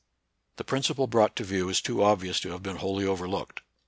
The principle brought to view is too obvious to have been wholly overlooked.